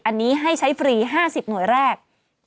อันนี้ให้ใช้ฟรี๕๐หน่วยแรก